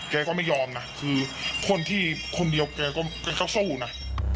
แกก็ไม่ยอมนะคือคนที่คนเดียวแกก็สู้นะ